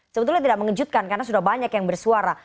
sebetulnya tidak mengejutkan karena sudah banyak yang bersuara